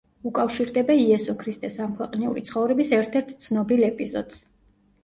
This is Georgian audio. უკავშირდება იესო ქრისტეს ამქვეყნიური ცხოვრების ერთ-ერთ ცნობილ ეპიზოდს.